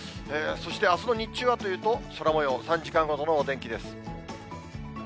そしてあすの日中はというと、空もよう、３時間ごとのお天気です。